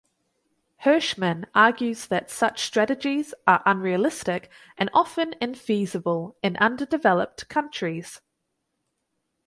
Hirschman argues that such strategies are unrealistic and often infeasible in underdeveloped countries.